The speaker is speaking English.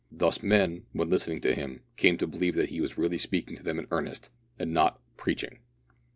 Thus men, when listening to him, came to believe that he was really speaking to them in earnest, and not "preaching!"